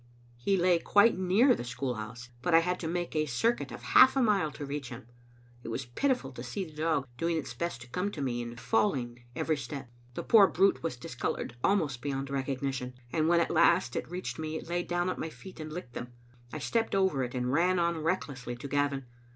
He lay quite near the school house, but I had to make a circuit of half a mile to reach him. It was pitiful to see the dog doing its best to come to me, and falling every few steps. The poor brute was discolored almost beyond recognition ; and when at last it reached me, it lay down at my feet and licked them. I stepped over it and ran on recklessly to Gavin.